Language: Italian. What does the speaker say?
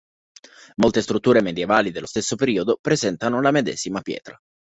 Molte strutture medievali dello stesso periodo presentano la medesima pietra.